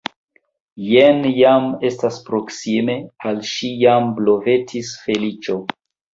Jen jam estas proksime, al ŝi jam blovetis feliĉo.